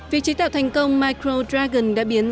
việc chế tạo thành công micro dragon đã biến